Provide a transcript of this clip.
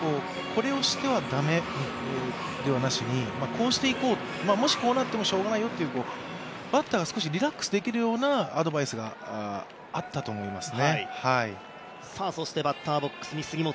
これをしては駄目ではなしにこうしていこう、もしこうなってもしょうがないよという、バッターが少しリラックスできるようなアドバイスがあったと思いますね。